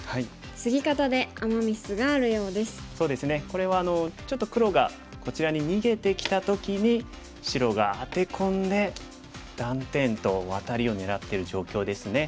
これはちょっと黒がこちらに逃げてきた時に白がアテ込んで断点とワタリを狙ってる状況ですね。